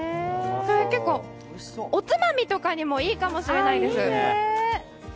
結構、おつまみとかにもいいかもしれないです。